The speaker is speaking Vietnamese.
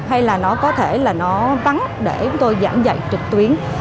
hay là nó có thể là nó vắng để chúng tôi giảng dạy trực tuyến